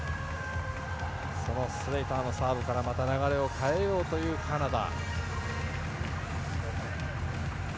そのスレイターのサーブから流れを変えようというカナダ。